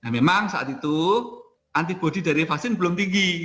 memang saat itu antibody dari vaksin belum tinggi